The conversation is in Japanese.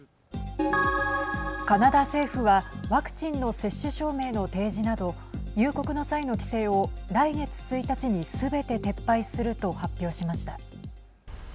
カナダ政府はワクチンの接種証明の提示など入国の際の規制を来月１日にすべて撤廃すると発表しました。